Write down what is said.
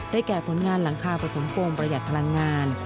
แก่ผลงานหลังคาผสมโปรงประหยัดพลังงาน